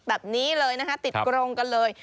แบบนี้เลยนะคะติดกรงกันเลย